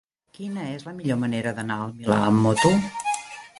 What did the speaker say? Quina és la millor manera d'anar al Milà amb moto?